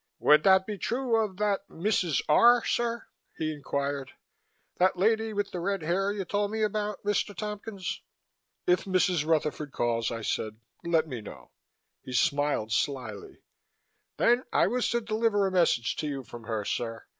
"Would that be true of that Mrs. R., sir?" he inquired. "That lady with the red hair you told me about, Mr. Tompkins?" "If Mrs. Rutherford calls," I said, "let me know." He smiled slyly. "Then I was to deliver a message to you from her, sir.